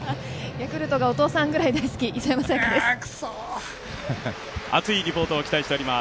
ヤクルトがお父さんぐらい大好き、磯山さやかです。